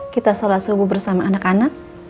kita sholat subuh bersama anak anak